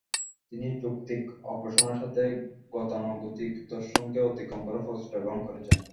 তিনি যৌক্তিক অগ্রসরণের সাথে গতানুগতিক দর্শনকে অতিক্রম করার প্রচেষ্টা গ্রহণ করেছেন।